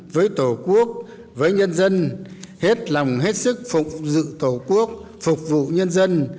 với tổ quốc với nhân dân hết lòng hết sức phục dự tổ quốc phục vụ nhân dân